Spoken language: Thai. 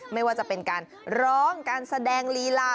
ไม่ว่าจะเป็นการร้องการแสดงลีลา